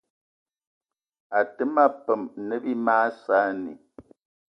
Até ma peum ne bí mag saanì